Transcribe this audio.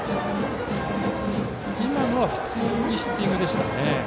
今のは普通にヒッティングでした。